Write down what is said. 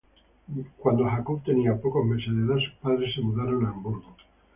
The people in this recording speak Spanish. Cuando Jakub tenía pocos meses de edad, sus padres se mudaron a Hamburgo.